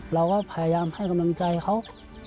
เราก็พยายามให้กำลังใจเขา